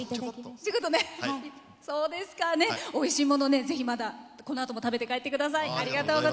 おいしいもの、ぜひまだこのあとも食べて帰ってください。